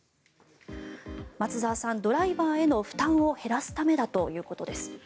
松澤さん、ドライバーへの負担を減らすためだということです。